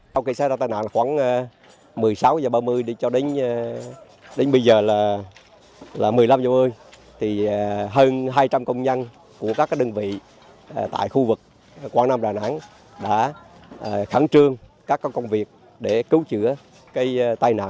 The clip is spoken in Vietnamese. sau khi xảy ra tai nạn khoảng một mươi sáu h ba mươi cho đến bây giờ là một mươi năm h ba mươi hơn hai trăm linh công nhân của các đơn vị tại khu vực quảng nam đà nẵng đã khẳng trương các công việc để cứu chữa tai nạn